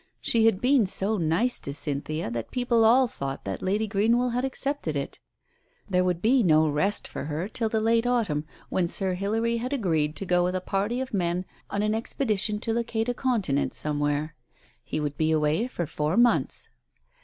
She had been so nice to Cynthia, that people all thought that Lady Greenwell had accepted it. There would be no rest for her till the late autumn, when Sir Hilary had agreed to go with a party of men on an expedition to locate a continent somewhere. He would be away for four months.